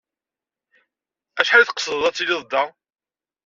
Acḥal i tqesdeḍ ad tiliḍ da?